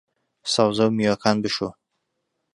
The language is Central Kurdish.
سەوزە و میوەکان بشۆ